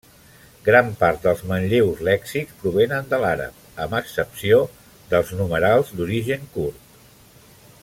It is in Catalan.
Gran part dels manlleus lèxics provenen de l'àrab, amb excepció dels numerals, d'origen kurd.